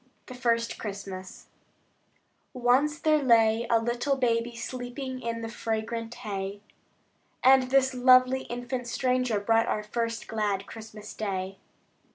The First Christmas Once there lay a little baby Sleeping in the fragrant hay, And this lovely infant stranger Brought our first glad Christmas day.